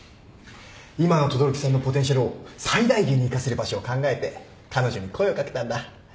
今の轟さんのポテンシャルを最大限に生かせる場所を考えて彼女に声を掛けたんだ。